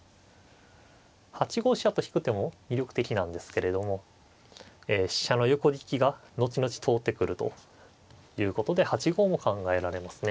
８五飛車と引く手も魅力的なんですけれども飛車の横利きが後々通ってくるということで８五も考えられますね。